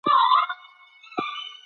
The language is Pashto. وخت لکه اوبه داسې تېرېږي او نه درېږي.